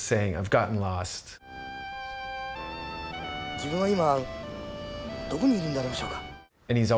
自分は今どこにいるんでありましょうか？